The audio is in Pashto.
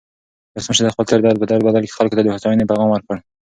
ولسمشر د خپل تېر درد په بدل کې خلکو ته د هوساینې پیغام ورکړ.